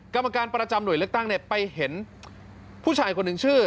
กรรมการประจำหน่วยเลือกตั้งเนี่ยไปเห็นผู้ชายคนหนึ่งชื่อ